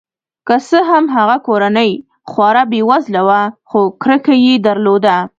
که څه هم هغه کورنۍ خورا بې وزله وه خو کرکه یې درلوده.